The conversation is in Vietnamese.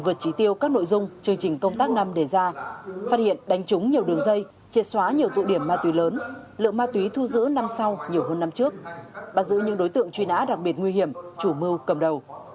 vượt trí tiêu các nội dung chương trình công tác năm đề ra phát hiện đánh trúng nhiều đường dây triệt xóa nhiều tụ điểm ma túy lớn lượng ma túy thu giữ năm sau nhiều hơn năm trước bắt giữ những đối tượng truy nã đặc biệt nguy hiểm chủ mưu cầm đầu